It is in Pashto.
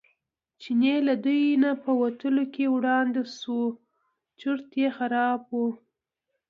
چینی له دوی نه په وتلو کې وړاندې شو چورت یې خراب و.